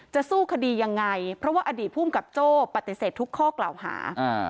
สู้คดียังไงเพราะว่าอดีตภูมิกับโจ้ปฏิเสธทุกข้อกล่าวหา